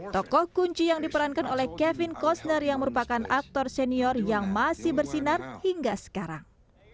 tokoh kunci yang diperankan oleh kevin costner yang merupakan aktor senior yang masih bersinar hingga sekarang